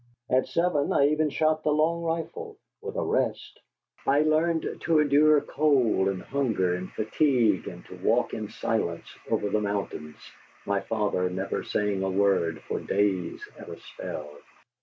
At seven I even shot the long rifle, with a rest. I learned to endure cold and hunger and fatigue and to walk in silence over the mountains, my father never saying a word for days at a spell.